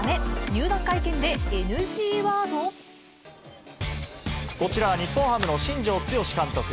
入団会見でこちら、日本ハムの新庄剛志監督。